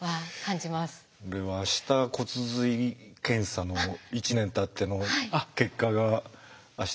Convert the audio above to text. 俺は明日骨髄検査の１年たっての結果が明日。